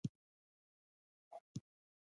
مچان د بازار چاپېریال خوښوي